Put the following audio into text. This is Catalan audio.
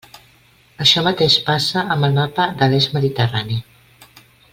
Això mateix passa amb el mapa de l'eix mediterrani.